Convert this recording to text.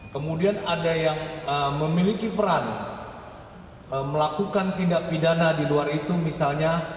kemudian ada yang memiliki peran melakukan tindak pidana di luar itu misalnya